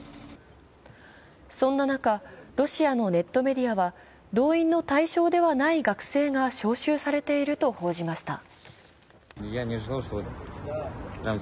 そんな中、ロシアのネットメディアは、動員の対象ではない学生が招集されていると報じました。